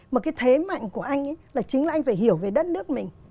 mà cái thế mạnh của anh ấy là chính là anh phải hiểu về đất nước mình